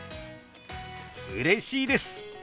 うれしいです！